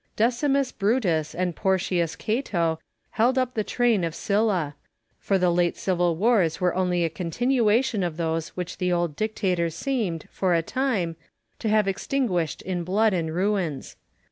Decimus Brutus and Porcius Cato held up the train of Sylla ; for the late civil wars were only a continuation of those which the old dictator seemed, for a time, to have extinguished in blood and ruins.